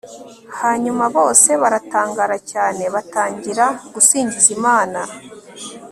hanyuma bose baratangara cyane batangira gusingiza imana